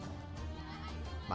dan berkesempatan berkumpul